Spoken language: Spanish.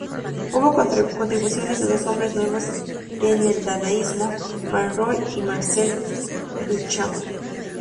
Hubo contribuciones de dos hombres nuevos en el dadaísmo: Man Ray y Marcel Duchamp.